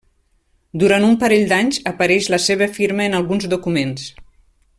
Durant un parell d’anys apareix la seva firma en alguns documents.